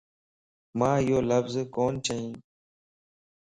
مان ايو لفظ ڪون چين